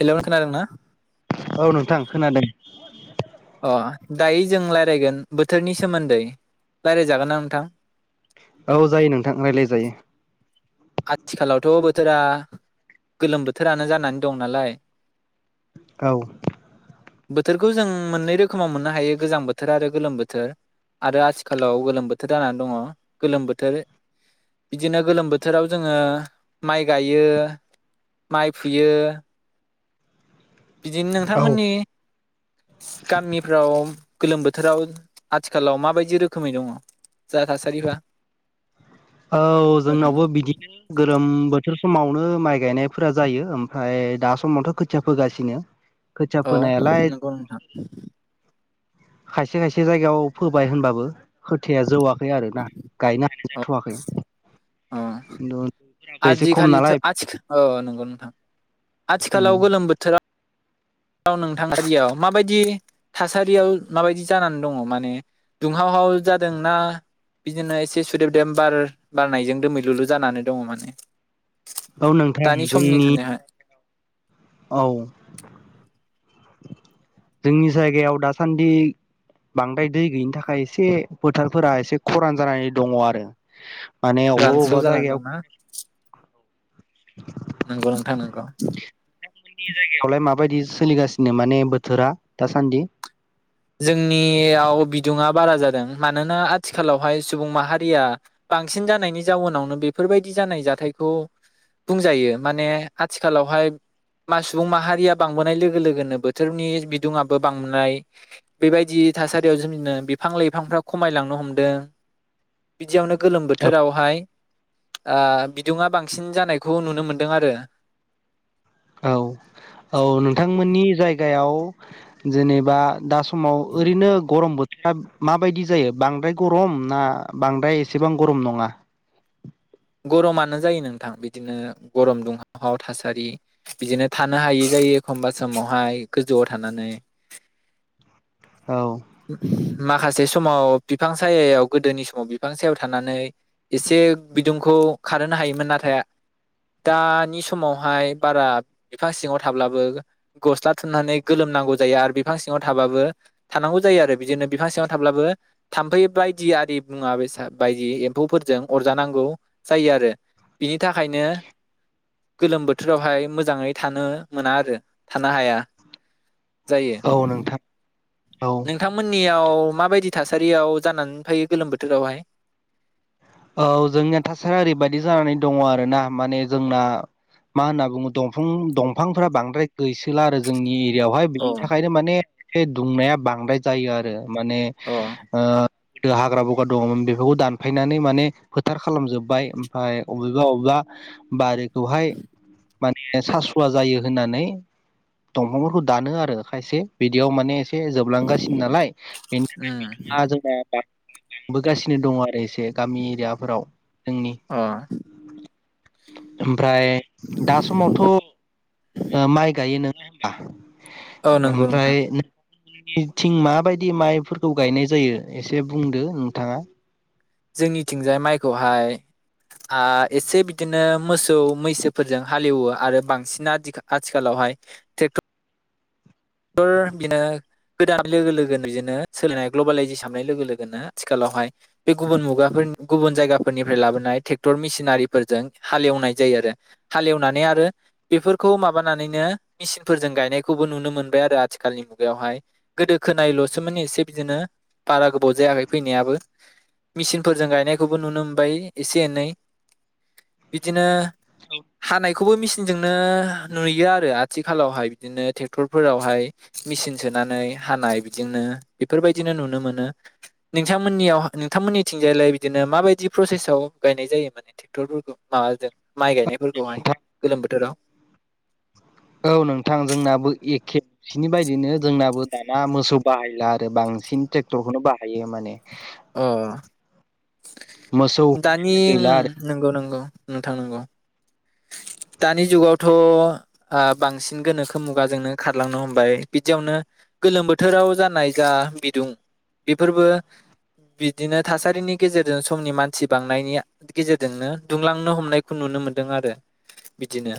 Hello खोनादोंना औ नोंथां खोनादों। [inaudible] अ दायो जों रायलायगोन बोथोरनि सोमोन्दै रायलाय जागोन ना नोंथां? औ जायो नोंथां रायलायजायो आथिखालावथ' बोथोरा गोलोम बोथोरानो जानानै दं नालाय। औ बोथोरखौ जों मोननै रोखोमाव मोननो हायो गोजां बोथोर आरो गोलोम बोथोर आरो आथिखालाव गोलोम बोथोर जानानै दङ गोलोम बोथोर बिदिनो गोलोम बो थोराव जोङो माइ गायो माइ फुयो। बिदिनो औ नोंथांमोननि गामिफ्राव गोलोम बोथोराव आथिखालाव माबायदि रोखोमै दङ जा थासारिफ्रा? औ बुंनो थाङो जोंनावबो बिदिनो गोरोम बो थोर समावनो माइ गायनायफोरा जायो ओमफाय दा समावथ' खोथिया फोगासिनो। खोथिया औ फोनायालाय नोंगौ नोंथां खायसे खायसे जायगायाव फोबाय होनबाबो खोथाया जौआ खै आरो ना गायनो हा औ जाथ'वाखै किन्तु आदिखालिथ' आथिख अ नंगौ नोंथां ।आथिखालाव गोलोम बोथोरा औ नोंथां [unintelligible] माबायदि थासारियाव माबायदि जानानै दङ माने दुंहावहाव जादोंना बिदिनो एसे सुदेब देम बार बारनायजों दोमैलुलु जानानै दङ माने? औ नोंथां दानि समनि जोंनि थानायावहाय औ जोंनि जायगायाव दासान्दि बांद्राय दै गैयिनि थाखाय एसे फोथारफोरा एसे खरान जानानै दङ आरो। माने अबावबा रानस्राव अबावबा जानानै जायगायाव नोंगौ नोंथां नोंगौ। नि जायगायावलाय माबायदि सोलिगासिनो माने बोथोरा दासान्दि? जोंनियाव बिदुङा बारा जादों मानोना आथिखालावहाय सुबुं माहारिया बांसिन जानायनि जाउनावनो बेफोरबायदि जानाय जाथायखौ बुंजायो माने आथिखालावहाय मा सुबुं माहारिया बांबोनाय लोगो लोगोनो बोथोरनि बिदुङआ बो बांनाय बेबायदि थासारियाव जोंनो बिफां लाइफांफ्रा खमायलांनो हमदों बिदियावनो गोलोम औ बोथोरावहाय ओ बिदुङा बांसिन जानायखौ नुनो मोनदों आरो। औ औ नोंथांमोननि जायगायाव जेनेबा दा समाव ओरैनो गरम बो माबायदि जायो बांद्राय गरम ना बांद्राय एसेबां गरम नङा? गरमानो जायो नोंथां बिदिनो गरम दुंहाव हाव थासारि बिदिनो थानो हायै जायो एखमबा समावहाय गोजौआव थानानै औ माखासे स समाव बिफां सायाव गोदोनि समाव बिफां सायाव थानानै एसे बिदुंखौ खारहोनो हायोमोन नाथाय दानि समावहाय बारा बिफां सिङाव थाब्लाबो गस्ला थुननानै गोलोमनांगौ जायो आरो बिफां सिङाव थाबाबो थानांगौ जायो आरो बिदिनो बिफां सिङाव थाब्लाबो थाम्फै बायदि आरि मुवा बेसा बायदि एम्फौफोरजों अरजानां गौ जायो आरो बिनि थाखायनो गोलोम बोथोरावहाय मोजाङै थानो मोना आरो थानो हाया। जायो औ नोंथां औ नोंथांमोननियाव माबायदि थासारियाव जानानै फैयो गोलोम बोथोरावहाय? औ जोंनिया थासारिया ओरैबायददि जानानै दङ आरोना माने जोंना मा होनना बुङो दंफां दंफांफोरा बांद्राय गैसोला आरो जोंनि बेवहाय अ बिनि थाखायनो माने बे दुंनाया बांद्राय जायो आरो माने अ ओ गोदो हाग्रा बंग्रा दङमोन बेफोरखौ दानफायनानै माने फोथार खालाम जोबबाय ओमफ्राय बबेबा बबेबा बरि बेवहाय माने सासुवा जायो होननानै दंफांफोरखौ दानो आरो खायसे बिदियाव माने एसे जोबलांगासिनो नालाय बेनिफ्राय [inaudible] उम बिदुंङा जोंना बां बोगासिनो दङो आरो एसे गामि एरियाफोराव जोंनि अ [unintelligible] ओमफ्राय दा समावथ माइ गायो नंङा औ होनबा नंगौ नोंथां ओमफ्राय [unintelligible] थिं माबायदि माइफोरखौ गायनाय जायो एसे बुंदो नोंथाङा जोंनिथिंजाय माइखौहाय आ एसे बिदिनो मोसौ मैसोफोरजों हालेवो आरो बांसिन आथिखालावहाय ट्रेक्टर [unintelligible] बिनो गोदान लोगो लोगोनो बिदिनो सोललिनाय ग्लबेलायजेस हाबनाय लोगो लोगोनो आथिखालावहाय बे गुबुन मुगाफोर गुबुन जायगाफोरनिफ्राय लाबोनाय ट्रेक्टर मेसिनारिफोरजों हालेवनाय जायो आरो हालेवनानै आरो बेफोरखौ माबानानैनो मेसिनफोरजों गायनायखौबो नुनो मोन बाय आरो आथिखालनि मुगायावहाय गोदो खोनायल'सो माने एसे बिदिनो बारा गोबाव जायाखै फैनायाबो मिसिनफोरजों गायनायखौबो नुनो मोनबाय एसे एनै बिदिनो हानाय खौबो मिसिनजोंनो नुयो आरो आथिखालावहाय बिदिनो ट्रेक्टर फोरावहाय मेचिन सोनानै हानाय बिदिनो बेफोरबायदिनो नुनो मोनो नोंथांमोननियाव नोंथांमोननिथिंजायलाय बिदिनो माबायदि प्रसेसआव गायनाय जायो माने ट्रेक्टरफोरखौ माबाजों माइ गायनायफोरखौहाय नोंथां गोलोम बोथोराव औ नोंथांजोंनाबो एखे बिनि बायदिनो जोंनाबो दाना मोसौ बाहायला आरो बांसिन ट्रेक्टरखौनो बाहायो माने अ मोसौ दानि होननायानो गैला आरो नंगौ नंगौ नोंथां नंगौ दानि जुगावथ' ओ बांसिन गोनोखो मुगाजोंनो खारलांनो हमबाय बिदियावनो गोलोम बोथोराव जानाय जा बिदुं बेफोरबो बिदिनो थासारिनि गेजेरजों समनि मानसि बांनायनि गेजेरजोंनो दुंलांनो हमनायखौ नुनो मोनदों आरो बिदिनो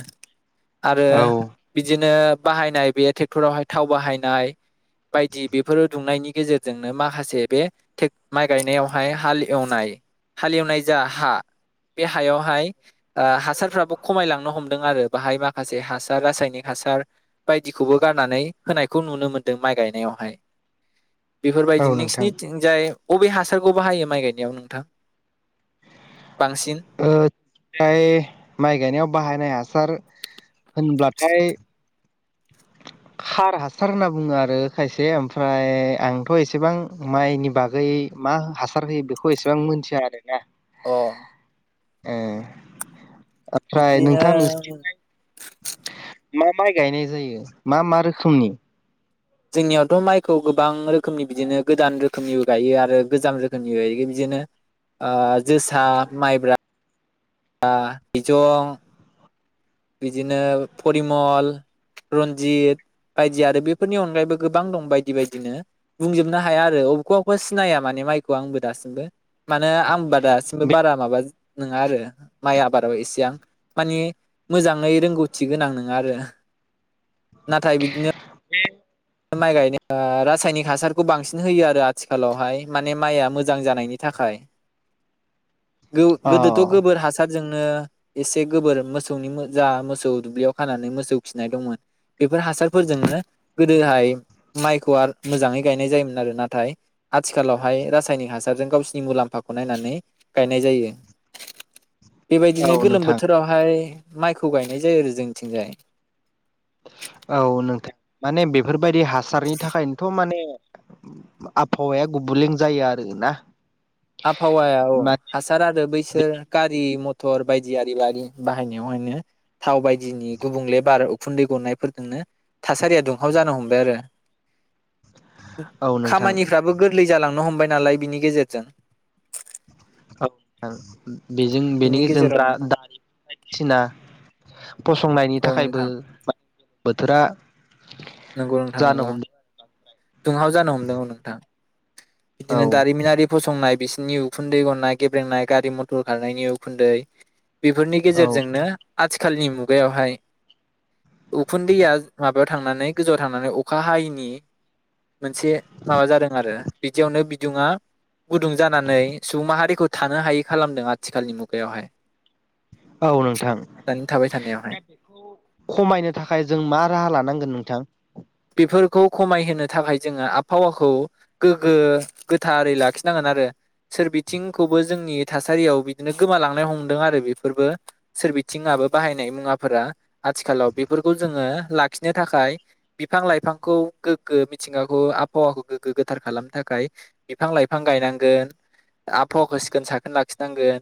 आरो औ बिदिनो बाहायनाय बे ट्रेक्टरावहाय थाव बाहायनाय बायदि बेफोर दुंनायनि गेजेरजोंनो माखासे बे थेग माइ गायनायावहाय हाल एवनाय हाल एवनाय जा हा बे हायावहाय हासारफ्राबो खमायलांनो हमदों आरो बाहाय माखासे हासार रासायनिक हासार बायदिखौबो गारनानै होनायखौ नुनो मोनदों माइ गायनायावहाय औ बेफोरबायदि नोंथां नोंसिरनिथिंजाय बबे हासारखौ बाहायो माइ गायनायाव नोंथां? बांसिन ओ फ्राय माइ गायनायाव बाहायनाय हासार होनब्लाथाय खार हासार होनना बुङो आरो खायसे ओमफ्राय आंथ' एसेबां माइनि बागै मा हासार होयो बेखौ एसेबां मिथिया आरोना । अ ए ओमफ्राय नोंथां नोंसि बिदिनो मा माइ गायनाय जायो मा मा रोखोमनि? जोंनियावथ' माइखौ गोबां रोखोमनि बिदिनो गोदान रोखोमनि गायो आरो गोजाम रोखोमनि गायो बिदिनो ओ जोसा माइब्रा आ जं बिदिनो परिमल, रन्जित बायदि आरो बेफोरनि अनगायैबो गोबां दं बायदि बायदिनो बुंजोबनो हाया आरो अबेखौबा अबेखौबा सिनाया माने माइखौ आंबो दासिमबो। माने आंबा दासिमबो बे बारा माबा नङा आरो माइ आबादाव एसेबां माने मोजाङै रोंगौथि गोनां नोङा आरो। नाथाय बिदिनो माइ गायनो रासायनिक हासारखौ बांसिन होयो आरो आथिखालावहाय माने माइआ मोजां जानायनि थाखाय। गो अ गोदोथ' गोबोर हासार जोंनो एसे गोबोर मोसौनि जा मोसौ दुब्लियाव खानानै मोसौ खिनाय दंमोन बेफोर हासारफोरजोंनो दोहाय माइखौ मोजाङै गायनाय जायोमोन आरो नाथाय आथिखालावहाय रासायनिक हासारजों गावसिरनि मुलाम्फाखौ नायनानै गायनाय जायो। बेबायदिनो औ गोलोम नोंथां बोथोरावहाय माइखौ गायनाय जायो आरो जोंथिंजाय। औ नोंथां माने बेफोरबायदि हासारनि थाखायनोथ' माने आबहावाया गुबलें जायो आरोना। आबहावाया औ माने हासार आरो बैसोर गारि मथर टर बायदि आरि बारि बाहायनायावहायनो थाव बायदिनि गुबुंले बार उखुन्दै गनायफोरजोंनो थासारिया दुंहाव जानो हमबाय आरो औ नोंथां खामानिफ्राबो गो लै जालांनो हमबाय नालाय बिनि गेजेरजों औ बेजों बेनि बिनि गेजेरजों दा गेजेरावनो दानि बायदिसिना फसंनायनि औ थाखायबो नोंथां म बोथोरा जानो हमदों आरो। दुंंहाव जानो हमदों औ नोंथां। औ बिदिनो दारिमिनारि फसंनाय बिसोर नि उखुन्दै गननाय गेब्रेंनाय गारि-मथर खारनायनि उखुन्दै बेफोरनि औ गेजेरजोंनो आथिखालनि मुगायावहाय उखुन्दैया माबायाव थांनानै गोजौआव थांनानै अखा हायैनि मोनसे माबा जादों आरो बिदियावनो दिङा‌ गुदुं जानानै सुबुं माहारिखौ थानो हायै खालामदों आथिखालनि मुगायावहाय औ नोंथां दानि थाबाय थानायावहाय दा बेखौ खमायनो थाखाय जों मा राहा लानांगोन नोंथां? बेफोरखौ खमायहोनो थाखाय जोङो आबहावाखौ गोग्गो गोथारै लाखिनांगोन आरो सोरबिथिंखौबो जोंनि थासारियाव बिदिनो गोमालांनो हमदों आरो बेफोरबो सोरबिथिंयाबो बाहायनाय मुवाफोरा आथिखालाव बेफोरखौ जोङो लाखिनो थाखाय बिफां-लाइफांखौ गोग्गो मिथिंगाखौ आबहावाखौ गोग्गो गोथार खालामनो थाखाय बिफां-लाइफां गायनांगोन आबहावाखौ सिखोन-साखोन लाखिनांगोन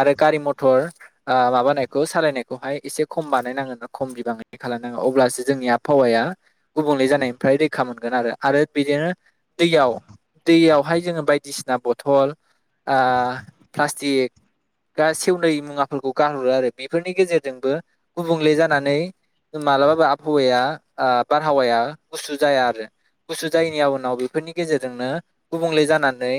आरो गारि-मथर आ माबानायखौ सालायनायखौहाय एसे खम बानायनांगोन खम बिबाङै खालामनांगोन अब्लासो जोंनि आबहावाया गुबुंले जानायनिफ्राय रैखा मोनगोन आरो आरो बिदिनो दैयाव दैयावहाय जोङो बायदिसि ना बथल आ प्लास्टिक दा सेवनै मुवाफोरखौ गारहरो आरो बेफोरनि गेजेरजोंबो गुबुंले जानानै मालाबाबो आबहावाया ओ बारहावाया गुसु जाया आरो गुसु जायैनि उनाव बेफोरनि गेजेरजोंनो गुबुंले जानानै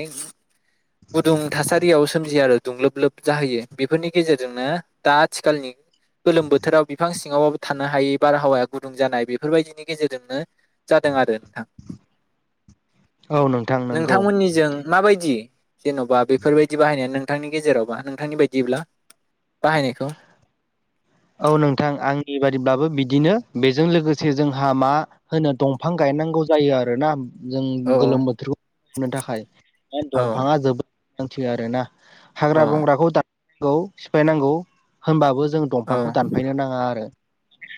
गुदुं थासारियाव सोमजियो आरो दुंलोब लोब जाहोयो बेफोरनि गेजेरजोंनो दा आथिखालनि गोलोम बोथोराव बिफां सिङावबाबो थानो हायै बारहावाया गुदुं जानाय बे बेफोरबायदिनि गेजेरजोंनो जादों आरो नोंथां औ नोंथां नंगौ नोंथांमोननिजों माबायदि? जेन'बा बेफोरबायदि बाहायनाय नों नोंथांनि गेजेरावबा नोंथांनि बायदिब्ला बाहायनायखौ औ नोंथां आंनि बादिब्लाबो बिदिनो बेजों लोगोसे जोंहा मा होनो दंफां गायनांगौ जायो आरोना। जों औ गोलोम बोथोरखौ थाखाय औ दंफाङा जोबोद हांथियो आरो ना। हाग्रा औ बंग्राखौ दा औ सिफायनांगौ होनबाबो जों दं औ बिफांखौ दानफायनो नाङा आरो।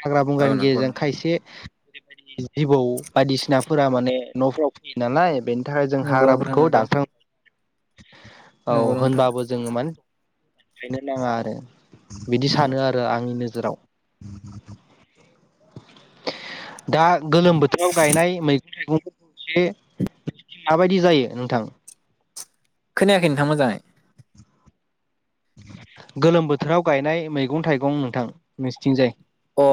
हाग्रा औ बंग्रानि नंगौ गेजेरजों नोंथां खायसे बेबायदि जिबौ बायदिसिनाफोरा माने न'फोराव फैयो नालाय बेन थाहाय जों नंगौ नोंथां हाग्राफोरखौ नंगौ दानमस्रं औ नंगौ नोंथां होनबाबो जोङो मान थायनो नाङा आरो बिदि सानो आत नेजेराव दा गोलोम बोथोराव गायनाय मैगुं से माबायदि जायो नोंथां? खोनायाखै नोंथां मोजाङै। गोलोम बोथोराव गायनाय मैगं थाइगं नोंथां नोंसिथिंजाय अ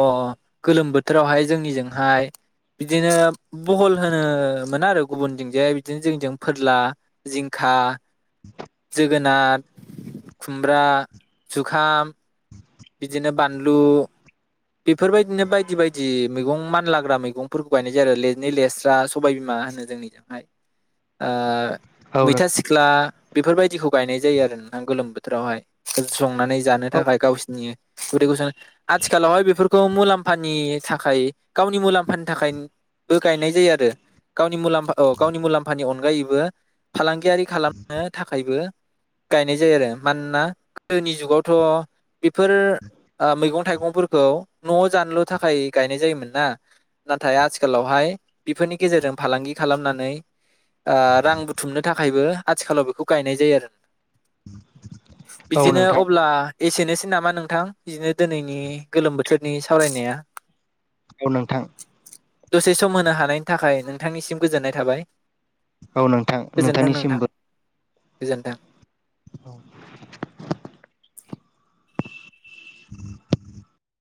गोलोम बोथोरावहाय जोंनिजोंहाय बिदिनो बहल होनोमोन आरो गुबुनजोंजाय बिदिनो जोंजों फोरला जिंखा जोगोनार खुमब्रा जुखाम बिदिनो बानलु बेफोरबायदिनो बायदि बायदि मैगं मानलाग्रा मैगंफोरखौ गायनाय जायो आरो लेनि लेस्रा सबायबिमा होनो जोंनिजोंहाय। औ नों मैथा सिख्ला बेफोरबायदिखौ गायनाय जायो आरो नों गोलोम बोथोरावहाय संनानै जानो औ थाखाय गावसिनि नुयो गुदैखौ आथिखालावहाय बेफोरखौ मुलाम्फानि थाखाय गावनि मुलाम्फानि थाखायबो गायनाय जायो आरो गावनि मुलामफा गावनि मुलाम्फानि अनगायैबो फालांगियारि खालामनो थाखायबो गायनाय जायो आरो मानोना गोदोनि जुगावथ' बेफोर मैगं-थाइगंफोरखौ न'आव जानल' थाखाय गायनाय जायोमोन ना नाथाय आथिखालावहाय बेफोरनि गेजेरजों फालांगि खालामनानै ओ रां बुथुमनो थाखाय थाखायबो आथिखालाव बेखौ गायनाय जायो आरो औ बिदिनो नोंथां अब्ला एसेनोसो नामा नोंथां बिदिनो दिनै नि गोलोम बोथोरनि सावरायनाया औ नोंथां। दसे सम होनो हानायनि थाखाय नोंथांनिसिम गोजोननाय थाबाय। औ नोंथां गोजोनथों नोंथां नोंथांनिसिमबो। गोजोनथों। औ